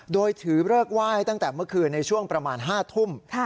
โดยถือเลิกไหว้ตั้งแต่เมื่อคืนในช่วงประมาณ๕ทุ่ม